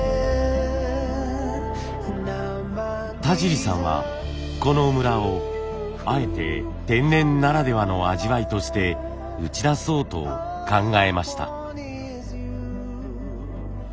田尻さんはこのムラをあえて天然ならではの味わいとして打ち出そうと考えました。